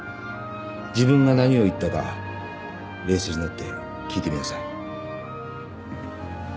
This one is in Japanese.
自分が何を言ったか冷静になって聞いてみなさい